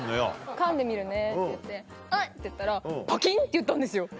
「かんでみるね」って言ってウッてやったらパキンっていったんですよ